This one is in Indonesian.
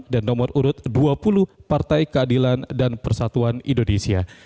dan nomor urut dua puluh partai keadilan dan persatuan indonesia